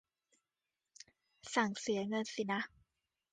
สั่งเสียเงินสินะ